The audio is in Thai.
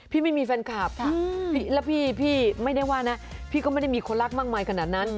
พี่ไม่มีแฟนคลับค่ะแล้วพี่ไม่ได้ว่านะพี่ก็ไม่ได้มีคนรักมากมายขนาดนั้น